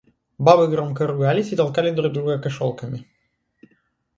Бабы громко ругались и толкали друг друга кошелками.